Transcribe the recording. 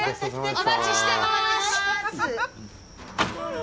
お待ちしてます！